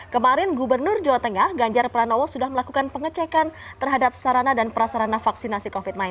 kemarin gubernur jawa tengah ganjar pranowo sudah melakukan pengecekan terhadap sarana dan prasarana vaksinasi covid sembilan belas